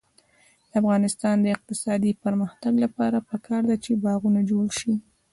د افغانستان د اقتصادي پرمختګ لپاره پکار ده چې باغونه جوړ شي.